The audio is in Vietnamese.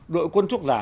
đội quân thuốc giả